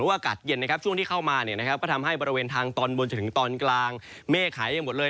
อากาศเย็นช่วงที่เข้ามาก็ทำให้บริเวณทางตอนบนจนถึงตอนกลางเมฆขายยังหมดเลย